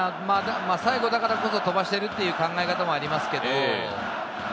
最後だからこそ飛ばしているという考え方もありますけど。